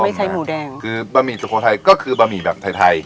ใช้หมูแดงคือบะหมี่สุโขทัยก็คือบะหมี่แบบไทยไทย